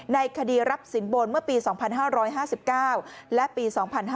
ในคดีรับสินบนเมื่อปี๒๕๕๙และปี๒๕๕๙